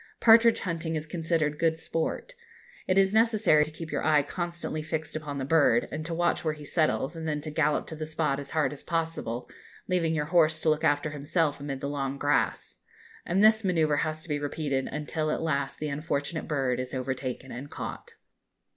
Partridge hunting is considered good sport. It is necessary to keep your eye constantly fixed upon the bird, and to watch where he settles, and then to gallop to the spot as hard as possible, leaving your horse to look after himself amid the long grass; and this manoeuvre has to be repeated until at last the unfortunate bird is overtaken and caught.